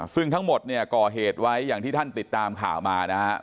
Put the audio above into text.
ซึ่งทั้งหมดเนี่ยก่อเหตุไว้อย่างที่ท่านติดตามข่าวมานะฮะ